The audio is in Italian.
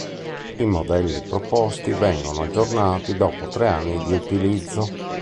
I modelli proposti vengono aggiornati dopo tre anni di utilizzo.